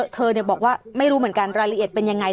เธอบอกว่าไม่รู้เหมือนกันรายละเอียดเป็นยังไง